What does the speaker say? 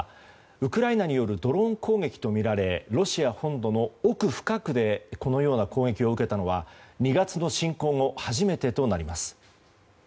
ウクライナによるドローン攻撃とみられロシア本土の奥深くでこのような攻撃を受けたのは２月の侵攻後初めてとなります。